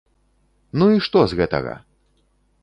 Ну і што з гэтага!